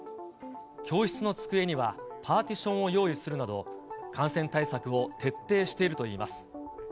教室の机にはパーティションを用意するなど、感染対策を徹底しているといいます。